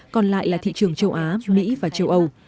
còn lại là thị trường châu á mỹ và châu âu